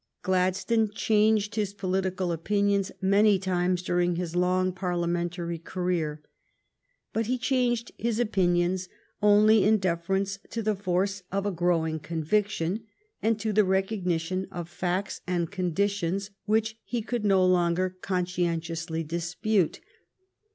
Gladstone changed his political opinions many times during his long Parliamentary career. But he changed his opinions only in deference to the force of a growing conviction, and to the recognition of facts and conditions which he could no longer conscientiously dispute.